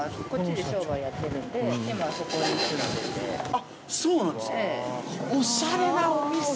あっそうなんですか。